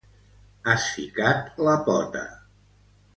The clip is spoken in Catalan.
Has ficat la pota.